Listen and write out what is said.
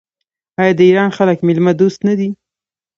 آیا د ایران خلک میلمه دوست نه دي؟